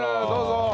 どうぞ。